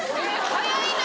早いな！